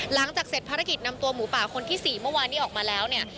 หลังจากเสร็จภารกิจนำตัวหมูป่าคนที่๔เมื่อวานนี้ออกมาแล้วเนี่ย